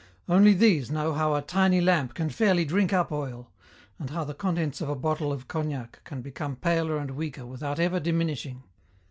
Only these know how a tiny lamp can fairly drink up oil, and how the contents of a bottle of cognac can become paler and weaker without ever diminishing.